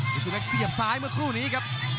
คุณสึกเล็กเสียบซ้ายเมื่อครู่นี้ครับ